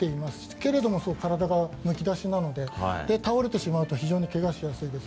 けれども体がむき出しなのでで、倒れてしまうと非常に怪我をしやすいです。